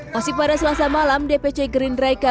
masih pada selasa malam dpc gerindraika